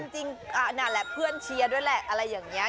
จริงนั่นแหละเพื่อนเชียร์ด้วยแหละอะไรอย่างนี้